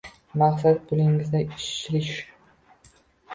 Maqsadi pulingizni shilish.